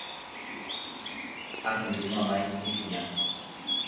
ahendu mama itĩchiã